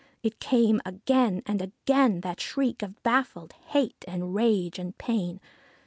It came again and again, that shriek of baffled hate and rage and pain.